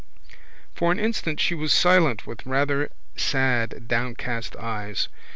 For an instant she was silent with rather sad downcast eyes.